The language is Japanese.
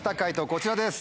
こちらです